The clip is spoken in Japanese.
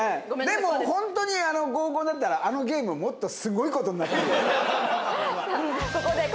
でも本当に合コンだったらあのゲームもっとすごい事になってるよ。